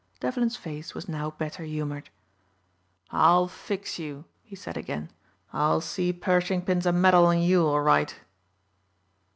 Devlin's face was now better humored. "I'll fix you," he said again, "I'll see Pershing pins a medal on you all right."